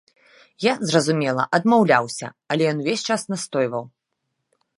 Я, зразумела, адмаўляўся, але ён увесь час настойваў.